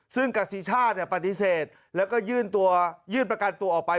ซึ่งกษีชาติปฏิเสธแล้วก็ยื่นประกันตัวออกไป